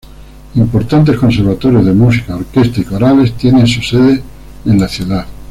Importantes conservatorios de música, orquestas y corales tienen su sede en la ciudad.